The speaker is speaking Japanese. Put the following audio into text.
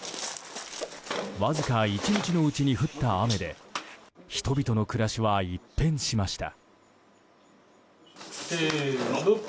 わずか１日のうちに降った雨で人々の暮らしは一変しました。